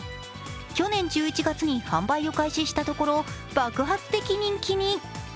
去年１１月に販売を開始したところ爆発的人気に。